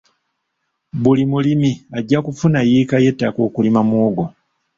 Buli mulimi ajja kufuna yiika y'ettaka okulima muwogo.